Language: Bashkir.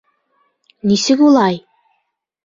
Нисек улай?